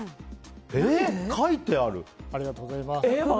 ええ、書いてある？